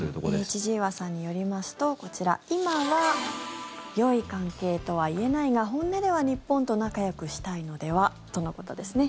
千々岩さんによりますと今はよい関係とは言えないが本音では日本と仲よくしたいのではとのことですね。